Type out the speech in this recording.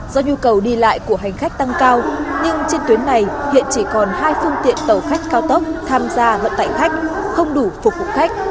do nhu cầu đi lại của hành khách tăng cao nhưng trên tuyến này hiện chỉ còn hai phương tiện tàu khách cao tốc tham gia vận tải khách không đủ phục vụ khách